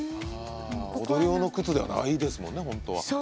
踊る用の靴ではないですもんね、本当は。